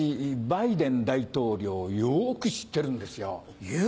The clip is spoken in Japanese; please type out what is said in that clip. マクロン大統領よく知ってんですよ。